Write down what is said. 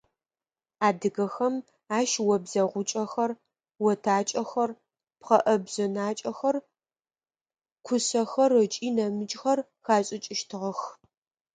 Адыгэхэм ащ обзэгъукӏэхэр, отакӏэхэр, пхъэӏэбжъэнакӏэхэр, кушъэхэр ыкӏи нэмыкӏхэр хашӏыкӏыщтыгъэх.